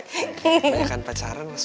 tapi kan pacaran sudah sih